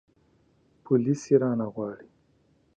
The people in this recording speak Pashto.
پوليس يې رانه غواړي.